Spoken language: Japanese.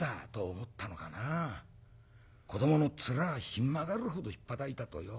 子どもの面ひん曲がるほどひっぱたいたとよ。